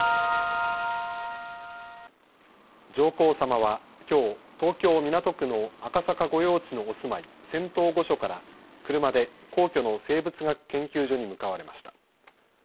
上皇さまはきょう東京港区の赤坂御用地のお住まい、仙洞御所から車で皇居の生物学研究所に向かわれました。